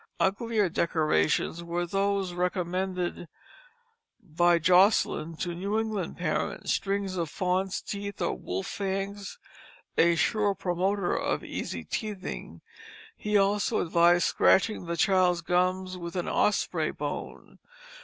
Uglier decorations were those recommended by Josselyn to New England parents, strings of fawn's teeth or wolf's fangs, a sure promoter of easy teething. He also advised scratching the child's gums with an osprey bone.